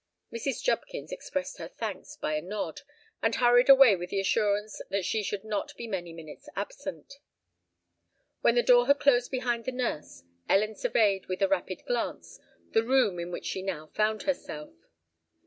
Mrs. Jubkins expressed her thanks by a nod, and hurried away with the assurance that she should not be many minutes absent. When the door had closed behind the nurse, Ellen surveyed, with a rapid glance, the room in which she now found herself.